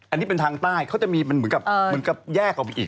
อันนี้เป็นทางใต้เขาจะมีเหมือนกับแยกออกไปอีกอะ